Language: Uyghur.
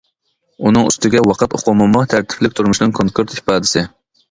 ئۇنىڭ ئۈستىگە ۋاقىت ئۇقۇمىمۇ تەرتىپلىك تۇرمۇشنىڭ كونكرېت ئىپادىسى.